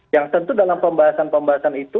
yang tentu dalam pembahasan pembahasan itu